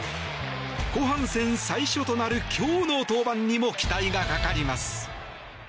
後半戦最初となる今日の登板にも期待がかかります。